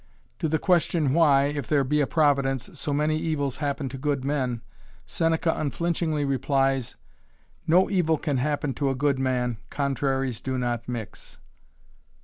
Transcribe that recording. To the question why, if there be a providence, so many evils happen to good men, Seneca unflinchingly replies: "No evil can happen to a good man, contraries do not mix."